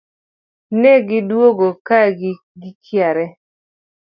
Ne gi duogo ka gikiare